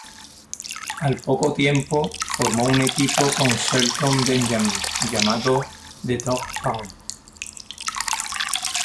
Al poco tiempo, formó un equipo con Shelton Benjamin llamado The Dogg Pound.